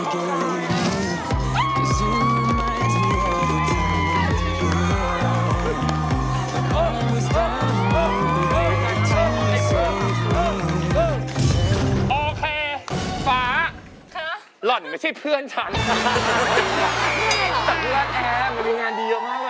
ร้านแอนมมันดีเยอะมากเลยไง